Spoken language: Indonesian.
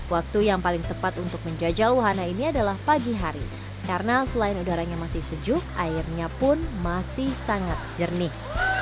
waktu yang paling tepat untuk menjajal wahana ini adalah pagi hari karena selain udaranya masih sejuk airnya pun masih sangat jernih